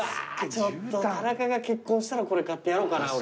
ちょっと田中が結婚したらこれ買ってやろうかな俺。